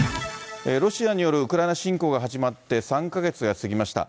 ロシアによるウクライナ侵攻が始まって３か月が過ぎました。